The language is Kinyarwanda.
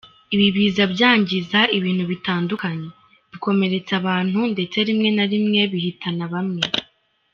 Ibi biza byangiza ibintu bitandukanye, bikomeretsa abantu ndetse rimwe na rimwe bihitana bamwe .